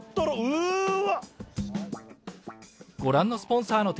うわ！